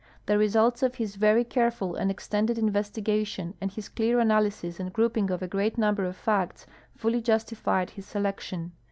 The results of his very careful and ex tended investigation and his clear analysis and groujnng of a great number of facts fully justified his selection.